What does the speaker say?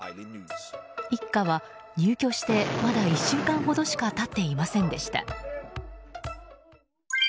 一家は入居してまだ１週間ほどしか経っていませんでした。